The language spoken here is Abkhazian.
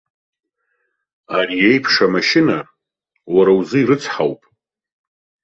Ари еиԥш амашьына уара узы ирыцҳауп.